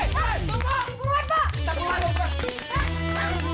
mana orang orang yang jelek